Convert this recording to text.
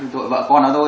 tội vợ con đó thôi